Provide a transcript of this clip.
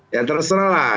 ya terserah lah